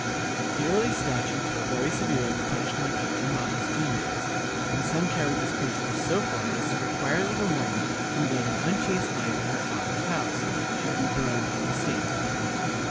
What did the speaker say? The early statutes were very severe in the punishment of immodest females, and some carried this principle so far as to require that a woman who led an unchaste life in her father's house should be burned at the stake.